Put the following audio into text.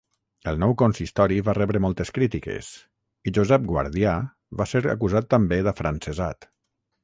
El nou consistori va rebre moltes crítiques, i Josep Guardià va ser acusat també d'afrancesat.